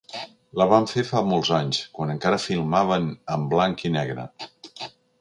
La van fer fa molts anys, quan encara filmaven en blanc i negre.